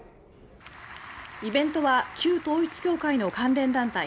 イベントは旧統一教会の関連団体